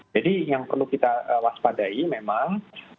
jadi yang perlu kita waspadai memang